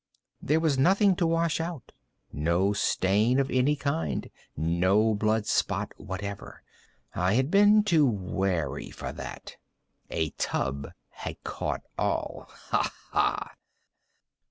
There was nothing to wash out—no stain of any kind—no blood spot whatever. I had been too wary for that. A tub had caught all—ha! ha!